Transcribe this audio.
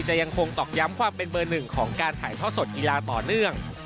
ยังคงตอกย้ำความเป็นเบอร์หนึ่งของการถ่ายทอดสดกีฬาต่อเนื่อง